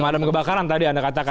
pemadam kebakaran tadi anda katakan